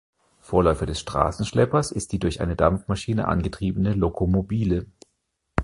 Vorläufer des Straßenschleppers ist die durch eine Dampfmaschine angetriebene Lokomobile.